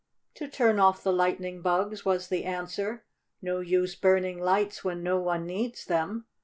"To turn off the lightning bugs," was the answer. "No use burning lights when no one needs them.